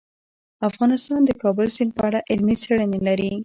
افغانستان د د کابل سیند په اړه علمي څېړنې لري.